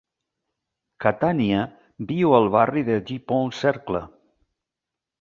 Catània viu al barri de Dupont Circle.